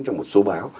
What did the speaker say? trong một số báo